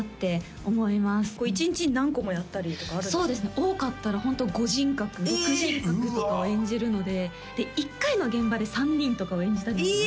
多かったらホント５人格６人格とかを演じるので１回の現場で３人とかを演じたりえ！